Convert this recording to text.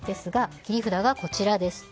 切り札がこちら。